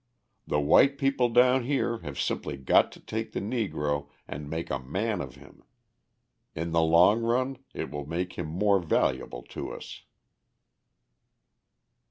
The white people down here have simply got to take the Negro and make a man of him; in the long run it will make him more valuable to us."